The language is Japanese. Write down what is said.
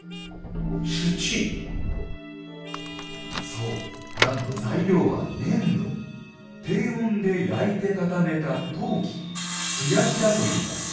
そうなんと材料は低温で焼いて固めた陶器素焼きだといいます。